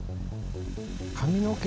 髪の毛。